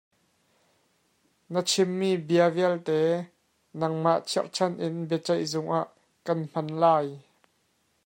Na chimmi bia vialte nangmah ralchanh in biaceih zung ah kan hman lai.